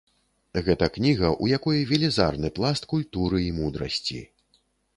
Гэта кніга, у якой велізарны пласт культуры і мудрасці.